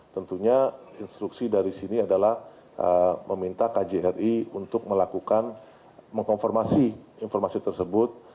tentunya instruksi dari sini adalah meminta kjri untuk melakukan mengkonfirmasi informasi tersebut